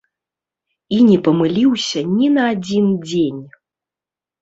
І не памыліўся ні на адзін дзень.